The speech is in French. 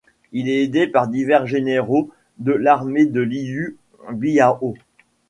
Il est aidé par divers généraux de l'armée de Liu Biao.